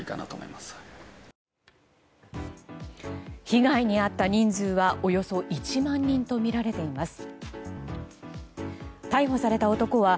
被害に遭った人数はおよそ１万人とみられています。